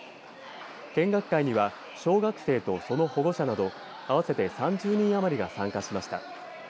見学会には小学生とその保護者など合わせて３０人余りが参加しました。